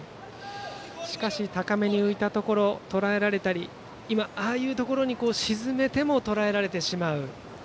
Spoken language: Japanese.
しかし、高めに浮いたところをとらえられたりああいうところに沈めても、とらえられてしまう。